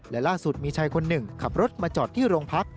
และล่าสุดมีชายคนหนึ่งขับรถมาจอดที่โรงพัก